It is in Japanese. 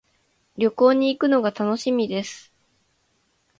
旅行に行くのが楽しみです。